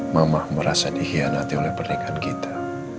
mama merasa dikhianati oleh pernikahan kita